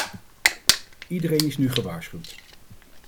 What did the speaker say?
Iedereen is nu gewaarschuwd.